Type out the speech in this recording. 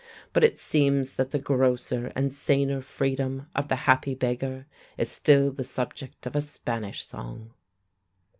But it seems that the grosser and saner freedom of the happy beggar is still the subject of a Spanish song.